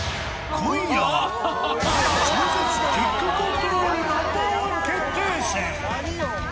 超絶キックコントロールナンバーワン決定戦。